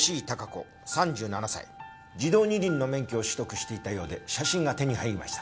自動二輪の免許を取得していたようで写真が手に入りました。